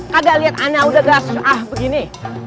kagak liat ana udah gas ah begini